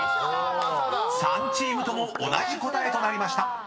［３チームとも同じ答えとなりました］